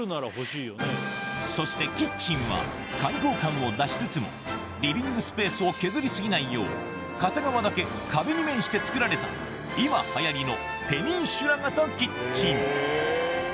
そしてキッチンは開放感を出しつつもリビングスペースを削り過ぎないよう片側だけ壁に面して造られた今流行りのペニンシュラ型キッチン